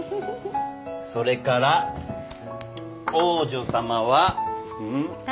それから王女様は。